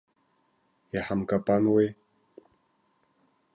Иҳамкапануеи!